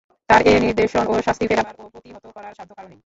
তাঁর এ নির্দেশ ও শাস্তি ফেরাবার ও প্রতিহত করার সাধ্য কারও নেই।